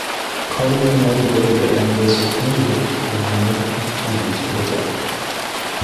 Carter promoted Billy Beer, and was a candidate for Mayor of Plains, Georgia.